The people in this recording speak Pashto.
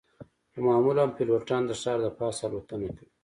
خو معمولاً پیلوټان د ښار د پاسه الوتنه کوي